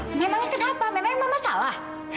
memangnya kenapa memangnya mama salah